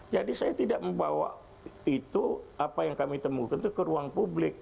jadi saya tidak membawa itu apa yang kami temukan itu ke ruang publik